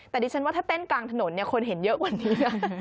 แต่ดิฉันว่าถ้าเต้นกลางถนนคนเห็นเยอะกว่านี้